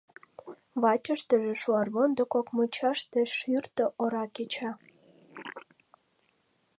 Вачыштыже, шуарвондо кок мучаште, шӱртӧ ора кеча.